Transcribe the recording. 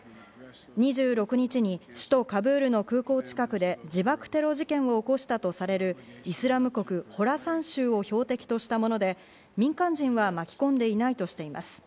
２６日に首都・カブールの空港近くで自爆テロ事件を起こしたとされるイスラム国ホラサン州を標的としたもので、民間人は巻き込んでいないとしています。